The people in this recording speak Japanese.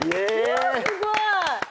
すごい。